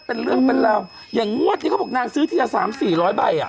เป็นเรื่องเป็นราวอย่างงวดนี้เขาบอกนางซื้อทีละสามสี่ร้อยใบอ่ะ